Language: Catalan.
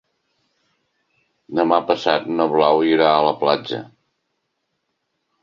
Demà passat na Blau irà a la platja.